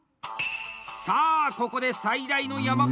さあ、ここで最大の山場！